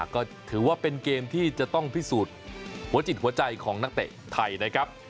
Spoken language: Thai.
ก็ถือว่าเป็นเกมที่จะต้องพิสูจน์หัวจิตหัวใจของนักเตะไทยนะครับ